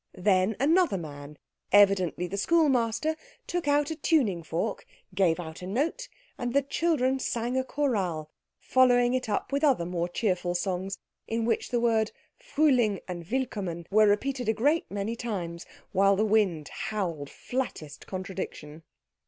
Then another man, evidently the schoolmaster, took out a tuning fork, gave out a note, and the children sang a chorale, following it up with other more cheerful songs, in which the words Frühling and Willkommen were repeated a great many times, while the wind howled flattest contradiction.